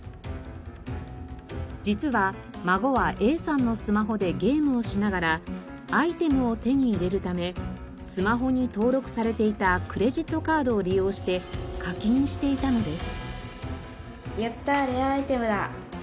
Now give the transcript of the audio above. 実は孫はＡさんのスマホでゲームをしながらアイテムを手に入れるためスマホに登録されていたクレジットカードを利用して課金していたのです。